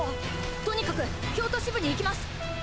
とにかく京都支部に行きます！